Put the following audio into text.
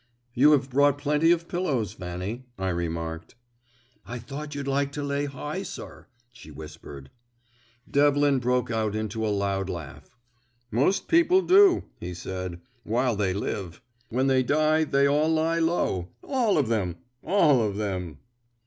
"You have brought plenty of pillows, Fanny," I remarked. "I thought you'd like to lay high, sir," she whispered. Devlin broke out into a loud laugh. "Most people do," he said, "while they live. When they die they all lie low all of them, all of them!"